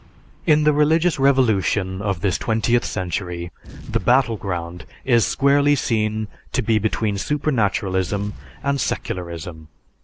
In the religious revolution of this twentieth century, the battle ground is squarely seen to be between supernaturalism and secularism.